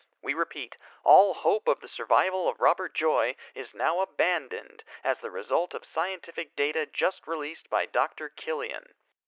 We repeat, all hope of the survival of Robert Joy is now abandoned as the result of scientific data just released by Dr. Killian.